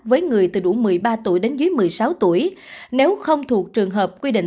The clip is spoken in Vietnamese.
với người từ đủ một mươi ba tuổi đến dưới một mươi sáu tuổi nếu không thuộc trường hợp quy định